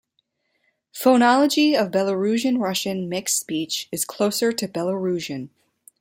Phonology of Belarusian-Russian mixed speech is closer to Belarusian.